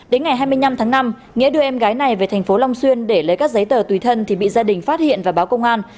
đến ngày hai mươi năm tháng năm nghĩa đưa em gái này về thành phố long xuyên để lấy các giấy tờ tùy thân thì bị gia đình phát hiện và báo công an